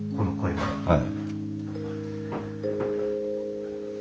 はい。